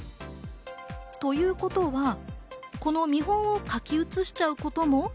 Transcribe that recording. ということは、この見本を書き写しちゃうことも？